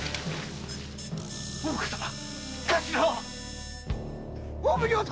大岡様頭は⁉お奉行様！